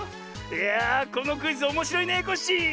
いやぁこのクイズおもしろいねコッシー！